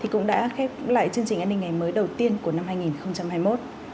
cũng đã khép lại chương trình an ninh ngày mới đầu tiên của năm hai nghìn hai mươi một